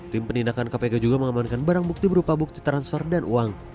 tim penindakan kpk juga mengamankan barang bukti berupa bukti transfer dan uang